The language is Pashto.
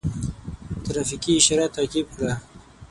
ترافیکي اشاره تعقیب کړه.